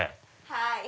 はい。